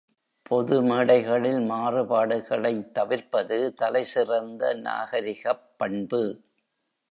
பொது மேடைகளில் மாறுபாடுகளைத் தவிர்ப்பது தலைசிறந்த நாகரிகப் பண்பு.